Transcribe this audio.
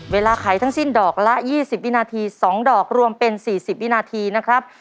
ไขทั้งสิ้นดอกละ๒๐วินาที๒ดอกรวมเป็น๔๐วินาทีนะครับ